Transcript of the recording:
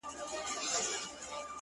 • ځایوم پکښي لس غواوي شل پسونه ,